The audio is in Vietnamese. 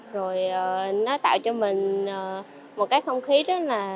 rồi nó tạo cho mình một cái không khí rất là